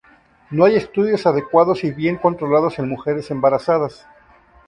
No hay estudios adecuados y bien controlados en mujeres embarazadas.